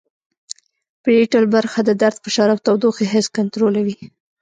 پریټل برخه د درد فشار او تودوخې حس کنترولوي